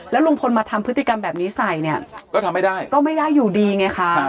ลุงพลมาทำพฤติกรรมแบบนี้ใส่เนี่ยก็ทำไม่ได้ก็ไม่ได้อยู่ดีไงคะ